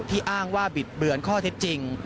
อ้างว่าบิดเบือนข้อเท็จจริง